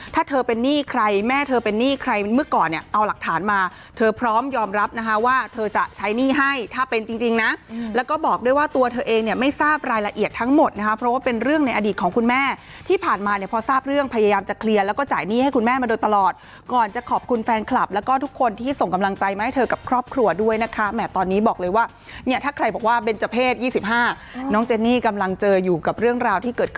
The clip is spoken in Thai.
รายละเอียดทั้งหมดนะฮะเพราะว่าเป็นเรื่องในอดีตของคุณแม่ที่ผ่านมาเนี่ยพอทราบเรื่องพยายามจะเคลียร์แล้วก็จ่ายหนี้ให้คุณแม่มาโดยตลอดก่อนจะขอบคุณแฟนคลับแล้วก็ทุกคนที่ส่งกำลังใจมาให้เธอกับครอบครัวด้วยนะคะแหม่ตอนนี้บอกเลยว่าเนี่ยถ้าใครบอกว่าเบนเจ้าเพศ๒๕น้องเจนนี่กำลังเจออยู่กับเรื่องราวท